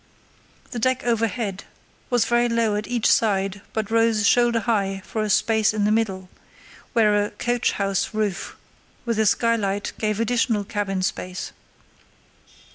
The deck overhead was very low at each side but rose shoulder high for a space in the middle, where a "coach house roof" with a skylight gave additional cabin space.